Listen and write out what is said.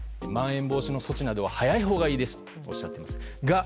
まん延防止の措置などは早いほうがいいですとおっしゃいます。